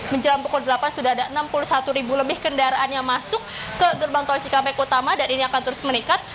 menjelang pukul delapan sudah ada enam puluh satu ribu lebih kendaraan yang masuk ke gerbang tol cikampek utama dan ini akan terus meningkat